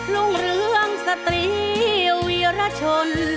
รุ่งเรืองสตรีวีรชน